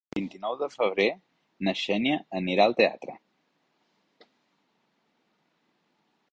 El vint-i-nou de febrer na Xènia anirà al teatre.